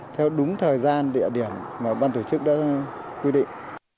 theo đúng thời gian địa điểm mà ban tổ chức đã quy định